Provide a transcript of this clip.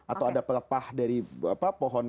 atau ada pelepah dari pohon